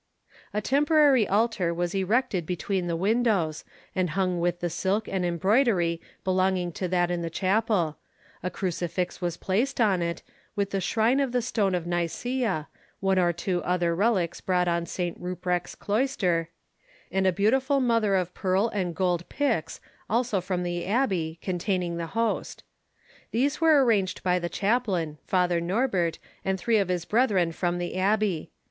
A temporary altar was erected between the windows, and hung with the silk and embroidery belonging to that in the chapel: a crucifix was placed on it, with the shrine of the stone of Nicæa, one or two other relics brought on St. Ruprecht's cloister, and a beautiful mother of pearl and gold pyx also from the abbey, containing the host. These were arranged by the chaplain, Father Norbert, and three of his brethren from the abbey.